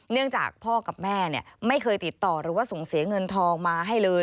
เนื่องจากพ่อกับแม่ไม่เคยติดต่อหรือว่าส่งเสียเงินทองมาให้เลย